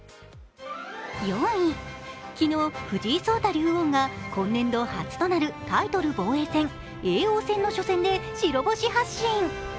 ４位、昨日、藤井聡太竜王が今年度初となるタイトル防衛戦、叡王戦の初戦で白星発進。